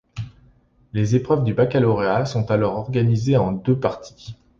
Les épreuves du baccalauréat sont alors organisées en deux parties.